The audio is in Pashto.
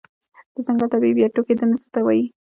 د ځنګل طبيعي بیا ټوکیدنه څه ته وایې؟